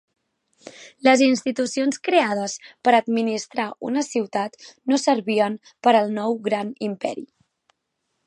Les institucions creades per a administrar una ciutat no servien per al nou gran imperi.